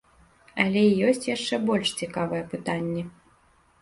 Але ёсць яшчэ больш цікавае пытанне.